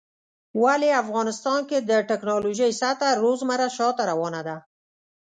ولی افغانستان کې د ټيکنالوژۍ سطحه روزمره شاته روانه ده